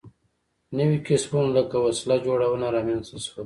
نوي کسبونه لکه وسله جوړونه رامنځته شول.